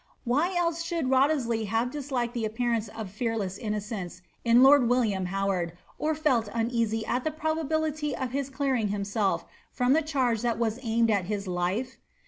Why elae ahoald Wriothesley have disliked the appearance of fearieta innocence in Imd William Howard, or felt uneasy at the probability of his clearing hioMsIf from the charge that was aimed at his life